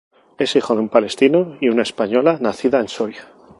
Es hijo de un palestino y una española nacida en Soria.